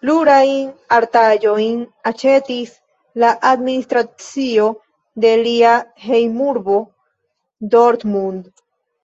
Plurajn artaĵojn aĉetis la administracio de lia hejmurbo Dortmund.